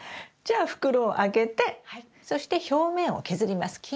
じゃあ袋を開けてそして表面を削ります。